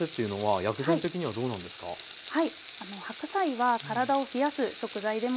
はい。